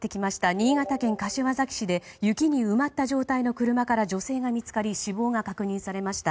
新潟県柏崎市で雪に埋まった状態の車から女性が見つかり死亡が確認されました。